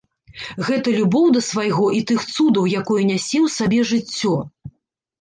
Гэта любоў да свайго і тых цудаў, якое нясе ў сабе жыццё.